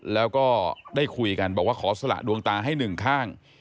แล้วก็ได้คุยกันบอกว่าขอสละดวงตาให้หนึ่งข้าง